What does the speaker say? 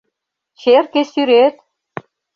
Черке сӱрет!